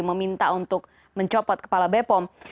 meminta untuk mencopot kepala bepom